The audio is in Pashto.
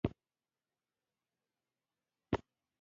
د پاسپورټ او اسنادو کاپي له ځان سره وساته.